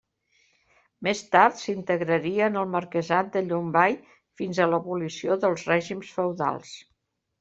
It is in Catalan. Més tard, s'integraria en el marquesat de Llombai fins a l'abolició dels règims feudals.